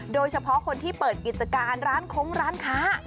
โดยเฉพาะคนที่เปิดกิจการร้านคงร้านค้า